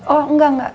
oh enggak gak